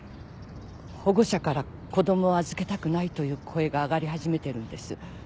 保護者から子供を預けたくないという声が上がり始めてるんです。